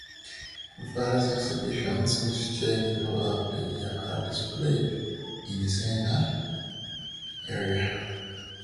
Various exhibitions which change throughout the year are displayed in the centre area.